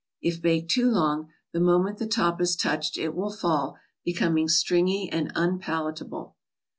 If baked too long, the moment the top is touched it will fall, becoming stringy and unpalatable.